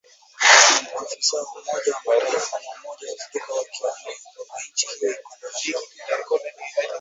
maafisa wa Umoja wa Mataifa na Umoja wa Afrika wakionya kuwa nchi hiyo iko hatarini